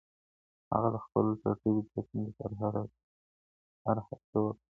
هغه د خپل ټاټوبي د ساتنې لپاره هره هڅه وکړه.